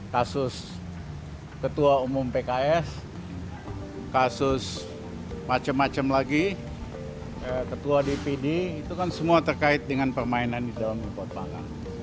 kasus ketua umum pks kasus macam macam lagi ketua dpd itu kan semua terkait dengan permainan di dalam import pangan